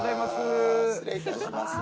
失礼いたします。